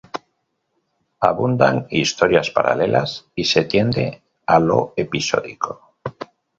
Abundan historias paralelas y se tiende a lo episódico.